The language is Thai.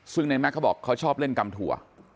ซึ่งในแมคบอกเขาชอบเล่นกำถั่ว